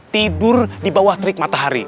tidur di bawah terik matahari